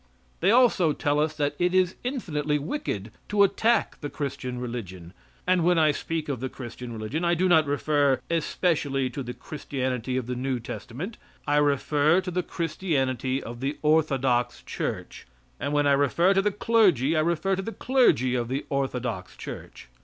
They also tell us that it is infinitely wicked to attack the Christian religion, and when I speak of the Christian religion I do not refer especially to the Christianity of the new testament; I refer to the Christianity of the orthodox church, and when I refer to the clergy I refer to the clergy of the orthodox church.